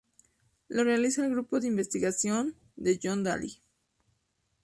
Lo realiza el grupo de investigación de John Daly.